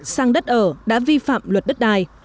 sang đất ở đã vi phạm luật đất đai